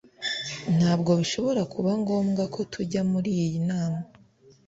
ntabwo bishobora kuba ngombwa ko tujya muri iyo nama